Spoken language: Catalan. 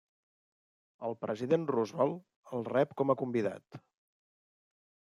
El president Roosevelt el rep com a convidat.